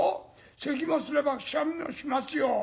せきもすればくしゃみもしますよ。